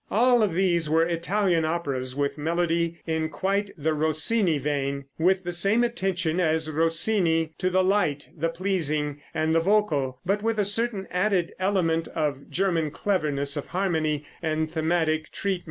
All of these were Italian operas, with melody in quite the Rossini vein, with the same attention as Rossini to the light, the pleasing and the vocal, but with a certain added element of German cleverness of harmony and thematic treatment.